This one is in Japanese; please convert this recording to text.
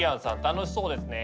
楽しそうですね。